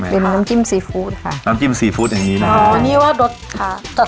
เป็นน้ำจิ้มซีฟู้ดค่ะน้ำจิ้มซีฟู้ดอย่างนี้นะอ๋อนี่ว่ารสค่ะแต่